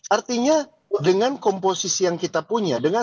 artinya dengan komposisi yang kita punya